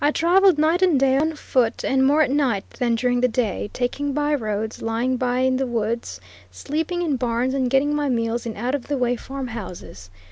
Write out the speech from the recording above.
I traveled night and day on foot, and more at night than during the day, taking by roads, lying by in the woods, sleeping in barns, and getting my meals in out of the way farm houses.